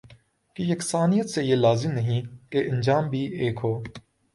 کی یکسانیت سے یہ لازم نہیں کہ انجام بھی ایک ہو